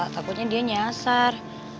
takutnya dia nyasar